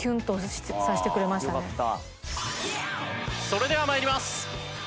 それでは参ります。